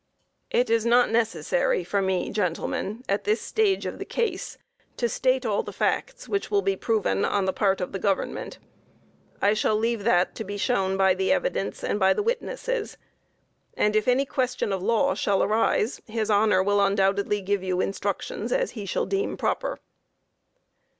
It is not necessary for me, gentlemen, at this stage of the case, to state all the facts which will be proven on the part of the Government. I shall leave that to be shown by the evidence and by the witnesses, and if any question of law shall arise his Honor will undoubtedly give you instructions as he shall deem proper.